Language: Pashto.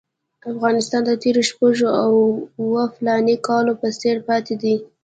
افغانستان د تېرو شپږو اوو فلاني کالو په څېر پاتې دی.